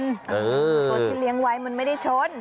ตัวที่เลี้ยงไว้มันไม่ได้ชน